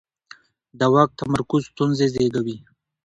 د واک تمرکز ستونزې زېږوي